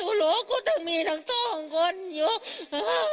หลวงก็มีทั้ง๒คนอยู่